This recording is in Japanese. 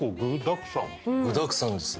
具だくさんですよ。